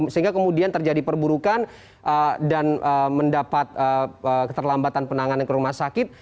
sehingga kemudian terjadi perburukan dan mendapat keterlambatan penanganan ke rumah sakit